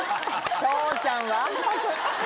翔ちゃんわんぱく。